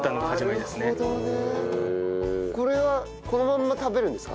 これはこのまんま食べるんですか？